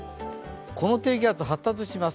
この低気圧、発達します。